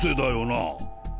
な！？